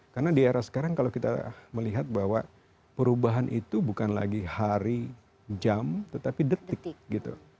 karena di era sekarang kalau kita melihat bahwa perubahan itu bukan lagi hari jam tetapi detik gitu